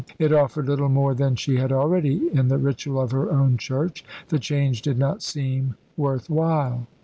It offered little more than she had already in the ritual of her own Church. The change did not seem worth while.